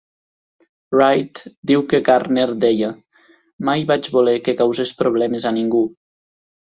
Wright diu que Gardner deia: Mai vaig voler que causés problemes a ningú.